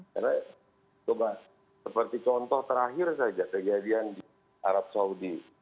karena coba seperti contoh terakhir saja kejadian di arab saudi